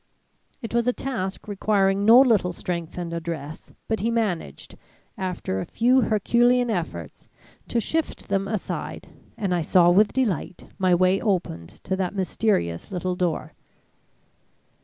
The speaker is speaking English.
"It was a task requiring no little strength and address, but he managed, after a few herculean efforts, to shift them aside and I saw with delight my way opened to that mysterious little door.